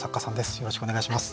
よろしくお願いします。